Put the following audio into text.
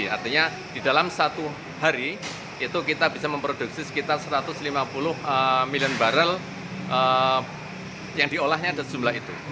artinya di dalam satu hari itu kita bisa memproduksi sekitar satu ratus lima puluh million barrel yang diolahnya jumlah itu